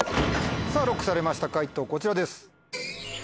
ＬＯＣＫされました解答こちらです。